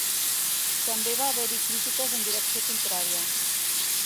També va haver-hi crítiques en direcció contrària.